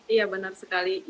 iya benar sekali